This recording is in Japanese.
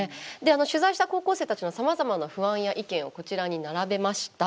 取材した高校生たちのさまざまな不安や意見をこちらに並べました。